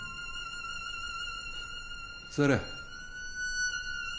座れ。